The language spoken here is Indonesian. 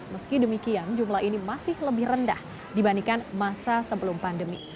meski demikian jumlah ini masih lebih rendah dibandingkan masa sebelum pandemi